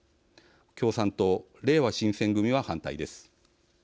共産党、れいわ新選組は反対です。